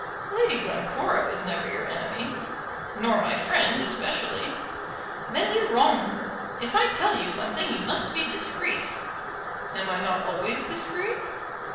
"Lady Glencora was never your enemy." "Nor my friend, especially." "Then you wrong her. If I tell you something you must be discreet." "Am I not always discreet?"